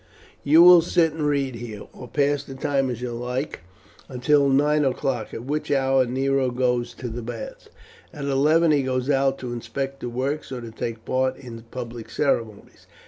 "You will sit and read here, or pass the time as you like, until nine o'clock, at which hour Nero goes to the baths. At eleven he goes out to inspect the works or to take part in public ceremonies.